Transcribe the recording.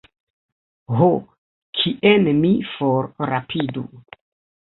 Ho, kien mi forrapidu?